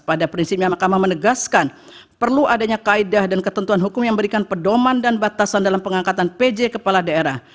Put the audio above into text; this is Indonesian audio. pada prinsipnya mahkamah menegaskan perlu adanya kaedah dan ketentuan hukum yang memberikan pedoman dan batasan dalam pengangkatan pj kepala daerah